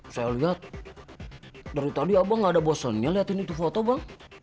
saya lihat dari tadi abang tidak ada bosannya melihat foto itu bang